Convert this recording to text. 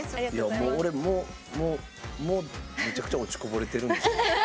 俺もうもうもうめちゃくちゃ落ちこぼれてるんですけど。